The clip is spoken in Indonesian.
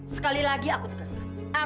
sekali lagi aku tugaskan